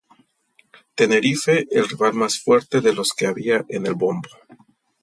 Tenerife, el rival más fuerte de los que había en el bombo.